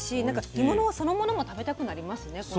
なんか干物そのものも食べたくなりますね